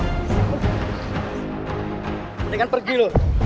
mendingan pergi lo